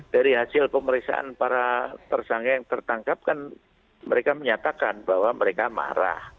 dari hasil pemeriksaan para tersangka yang tertangkap kan mereka menyatakan bahwa mereka marah